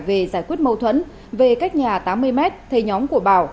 về giải quyết mâu thuẫn về cách nhà tám mươi m thầy nhóm của bảo